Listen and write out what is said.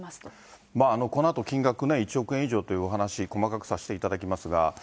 このあと、金額、１億円以上というお話、細かくさせていただきますが。